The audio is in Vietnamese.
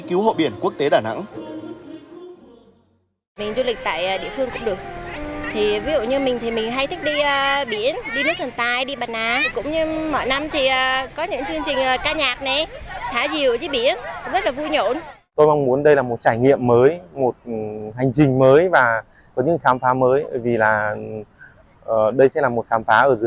cứu hộ biển quốc tế đà nẵng